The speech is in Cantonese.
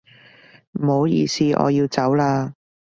唔好意思，我要走啦